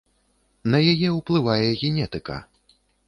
На яе ўплывае генетыка.